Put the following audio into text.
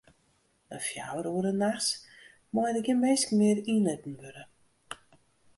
Nei fjouwer oere nachts meie der gjin minsken mear yn litten wurde.